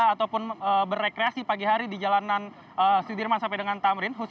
ataupun berrekreasi pagi hari di jalanan sudirman sampai dengan tamrin